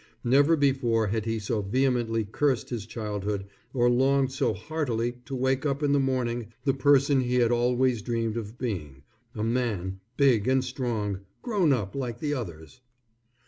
Never before had he so vehemently cursed his childhood, or longed so heartily to wake up in the morning the person he had always dreamed of being, a man, big and strong, grown up like the others.